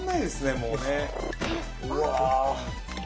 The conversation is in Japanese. もうね。